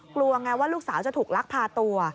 กลัวไงว่าลูกสาวจะถูกลักพาตัว